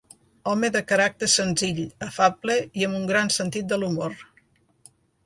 Home de caràcter senzill, afable i amb un gran sentit de l'humor.